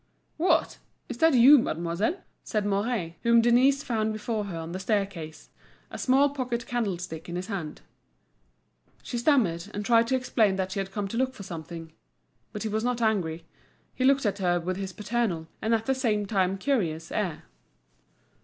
"What! it's you, mademoiselle?" said Mouret, whom Denise found before her on the staircase, a small pocket candlestick in his hand. She stammered, and tried to explain that she had come to look for something. But he was not angry. He looked at her with his paternal, and at the same time curious, air.